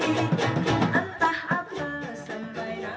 di mana keroncongnya berubah menjadi keroncong yang berbeda